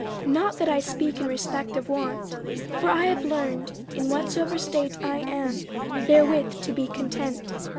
50:004:011 Not that I speak in respect of want: for I have learned, in whatsoever state I am, therewith to be content.